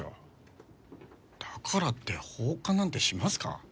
だからって放火なんてしますか？